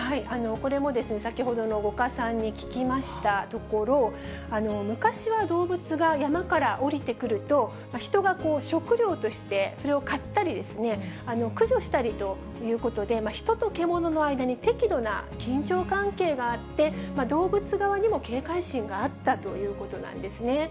これも先ほどの五箇さんに聞きましたところ、昔は動物が山から下りてくると、人が食料としてそれを狩ったり、駆除したりということで、人と獣の間に適度な緊張関係があって、動物側にも警戒心があったということなんですね。